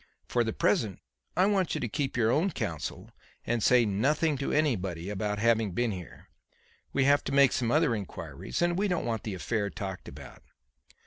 For the present I want you to keep your own counsel and say nothing to anybody about having been here. We have to make some other inquiries and we don't want the affair talked about."